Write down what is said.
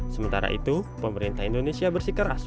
sementara itu pemerintah indonesia bersikeras